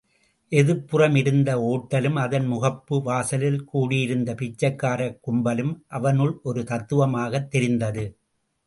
எதிர்ப்புறம் இருந்த ஓட்டலும் அதன் முகப்பு வாசலில் கூடியிருந்த பிச்சைக்காரக் கும்பலும் அவனுள் ஒரு தத்துவமாகத் தெரிந்தது.